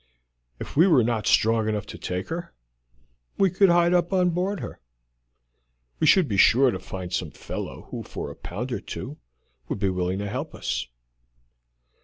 If we were not strong enough to take her, we could hide up on board her; we should be sure to find some fellow who for a pound or two would be willing to help us.